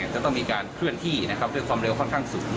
จะต้องมีการเคลื่อนที่ด้วยความเร็วค่อนข้างสูง